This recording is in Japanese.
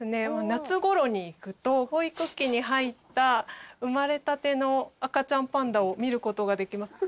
夏頃に行くと保育器に入った生まれたての赤ちゃんパンダを見る事ができます。